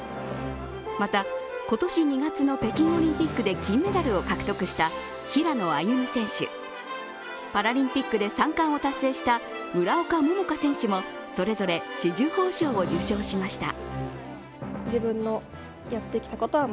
また、今年２月の北京オリンピックで金メダルを獲得した平野歩夢選手、パラリンピックで３冠を達成した村岡桃佳選手もそれぞれ紫綬褒章を受章しました。